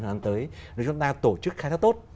lần tới nếu chúng ta tổ chức khai thác tốt